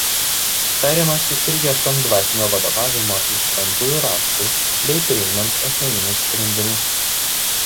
Tariamasi ir ieškant dvasinio vadovavimo iš šventųjų raštų bei priimant asmeninius sprendimus.